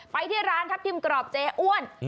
ไปที่ร้านทัพทิมกรอบเจออ้วน